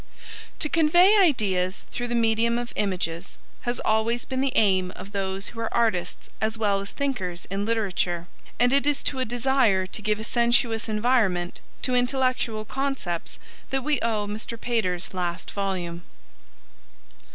To convey ideas through the medium of images has always been the aim of those who are artists as well as thinkers in literature, and it is to a desire to give a sensuous environment to intellectual concepts that we owe Mr. Pater's last volume.